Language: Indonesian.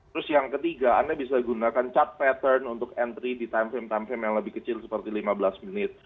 terus yang ketiga anda bisa gunakan chat pattern untuk entry di time frame time frame yang lebih kecil seperti lima belas menit